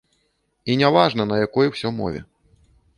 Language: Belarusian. І не важна, на якой усё мове.